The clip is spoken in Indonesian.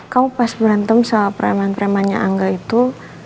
kamu pas berantem soal permain permainnya angga itu